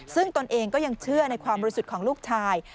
ซึ่งตนเองก็ยังเชื่อในความบริสุทธิ์ของลูกชาย